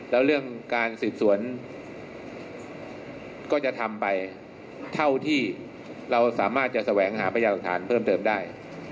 แล้วเรื่องการสืบสวนก็จะทำไปเท่าที่เราสามารถจะแสวงหาพยาหลักฐานเพิ่มเติมได้